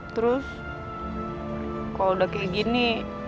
terus kalau udah kayak gini